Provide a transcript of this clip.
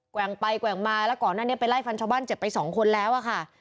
แว่งไปแกว่งมาแล้วก่อนหน้านี้ไปไล่ฟันชาวบ้านเจ็บไปสองคนแล้วอะค่ะ